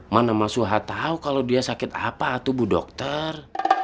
mana mas suha tahu kalau dia sakit apa tubuh dokter